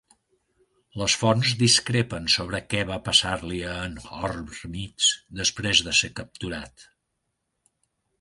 Les fonts discrepen sobre què va passar-li a en Hormizd després de ser capturat.